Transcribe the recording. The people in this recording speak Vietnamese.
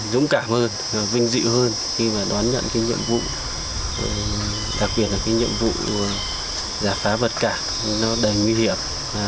dũng cảm hơn vinh dị hơn khi đoán nhận nhiệm vụ giả phá vật cả đầy nguy hiểm